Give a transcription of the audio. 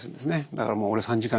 だからもう俺３時間